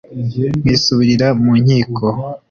nkisubirira mu nkiko